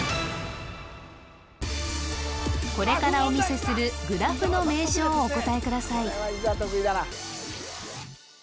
これからお見せするグラフの名称をお答えください